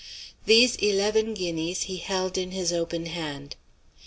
These eleven guineas he held in his open hand.